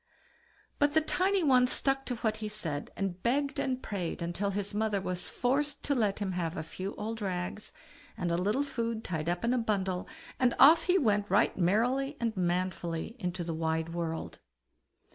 But the tiny one stuck to what he said, and begged and prayed till his mother was forced to let him have a few old rags, and a little food tied up in a bundle, and off he went right merrily and manfully into the wide world.